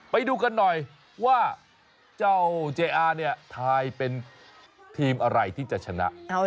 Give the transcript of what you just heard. ไปดูกันหน่อยว่าเจ้าเจอาเนี่ยทายเป็นทีมอะไรที่จะชนะ